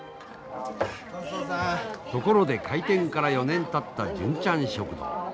ところで開店から４年たった純ちゃん食堂。